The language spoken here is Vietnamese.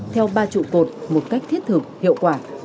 theo ba trụ cột một cách thiết thực hiệu quả